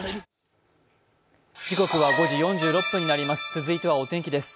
続いてはお天気です。